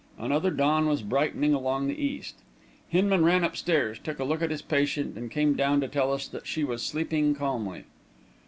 Another dawn was brightening along the east. Hinman ran upstairs, took a look at his patient, and came down to tell us that she was sleeping calmly.